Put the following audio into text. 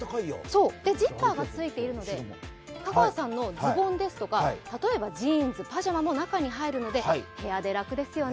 ジッパーがついているので香川さんのズボンとか例えばジーンズ、パジャマも中に入るので、部屋で楽ですよね。